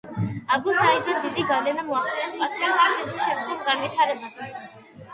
აბუ საიდმა დიდი გავლენა მოახდინა სპარსული სუფიზმის შემდგომ განვითარებაზე.